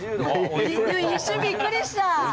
一瞬びっくりした。